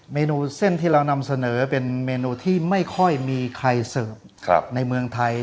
เมนูเส้นที่เรานำเสนอเป็นเมนูที่ไม่ค่อยมีใครเสิร์ฟในเมืองไทย